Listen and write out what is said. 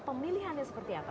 pemilihannya seperti apa